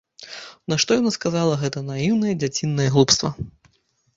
Нашто яна сказала гэтае наіўнае дзяцінае глупства?